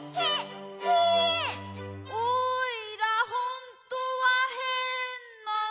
「おいらほんとはへんなの？」